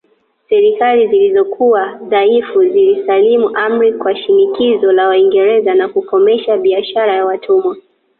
Serikali zilizokuwa dhaifu zilisalimu amri kwa shinikizo la Waingereza la kukomesha biashara ya watumwa